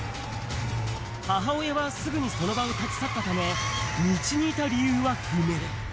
母親はすぐにその場を立ち去ったため、道にいた理由は不明。